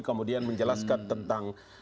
kemudian menjelaskan tentang